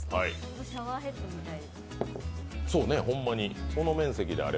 シャワーヘッドみたい。